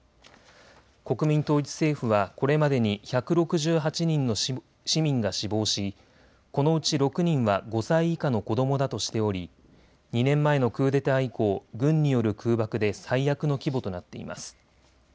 国民統一政府はこれまでに１６８人の市民が死亡しこのうち６人は５歳以下の子どもだとしており２年前のクーデター以降、軍による空爆で最悪の規模となっています。